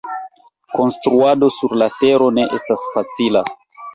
Konstruado sur la tero ne estas facila.